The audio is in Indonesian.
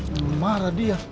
wah marah dia